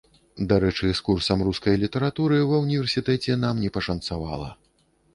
Дарэчы з курсам рускай літаратуры ва ўніверсітэце нам не пашанцавала.